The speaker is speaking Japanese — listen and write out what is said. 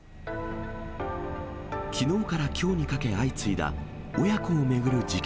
きのうからきょうにかけ相次いだ、親子を巡る事件。